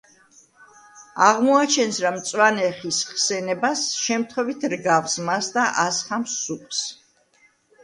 აღმოაჩენს რა მწვანე ხის ხსენებას, შემთხვევით რგავს მას და ასხამს სუპს.